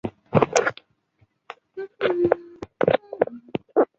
英国唱片业协会是英国唱片工业的行业协会。